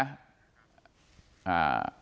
อ่า